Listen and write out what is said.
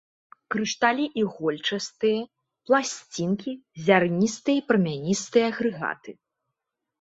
Крышталі ігольчастыя, пласцінкі, зярністыя і прамяністыя агрэгаты.